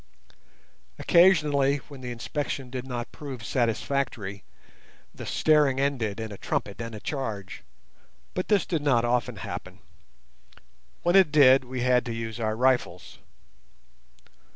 Occasionally, when the inspection did not prove satisfactory, the staring ended in a trumpet and a charge, but this did not often happen. When it did we had to use our rifles.